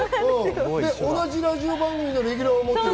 同じラジオ番組のレギュラーを持っている。